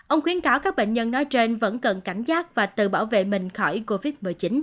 ông khuyến cáo các bệnh nhân nói trên vẫn cần cảnh giác và tự bảo vệ mình khỏi covid một mươi chín